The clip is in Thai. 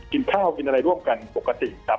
กินข้าวกินอะไรร่วมกันปกติครับ